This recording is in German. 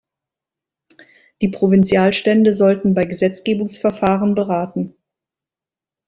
Die Provinzialstände sollten bei Gesetzgebungsverfahren beraten.